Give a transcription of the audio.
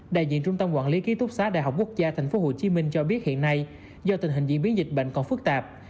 đại diện trung tâm quản lý ký túc xá đại học quốc gia tp hcm cho biết hiện nay do tình hình diễn biến dịch bệnh còn phức tạp